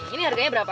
ini harganya berapa